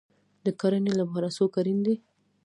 د کرنې لپاره څوک اړین دی؟